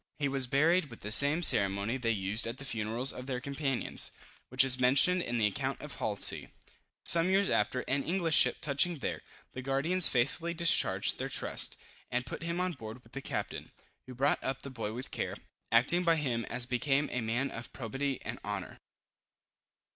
He was buried with the same ceremony they used at the funerals of their companions, which is mentioned in the account of Halsey. Some years after, an English ship touching there, the guardians faithfully discharged their trust, and put him on board with the captain, who brought up the boy with care, acting by him as became a man of probity and honor.